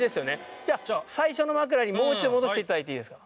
じゃあ最初の枕にもう一度戻して頂いていいですか？